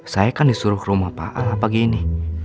saya kan disuruh ke rumah pak al pagi ini